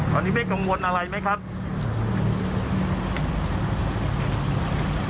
ตอนนี้ไม่กังวลอะไรไหมครับ